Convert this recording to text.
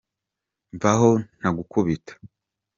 mvaho ntagukubita.